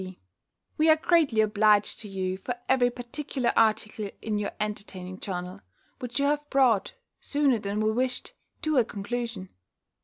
B., We are greatly obliged to you for every particular article in your entertaining journal, which you have brought, sooner than we wished, to a conclusion.